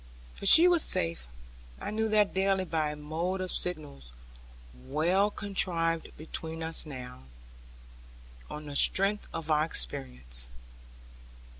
For she was safe; I knew that daily by a mode of signals well contrived between us now, on the strength of our experience.